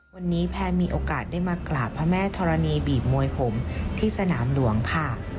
วันนี้แพรมีโอกาสได้มากราบพระแม่ธรณีบีบมวยผมที่สนามหลวงค่ะ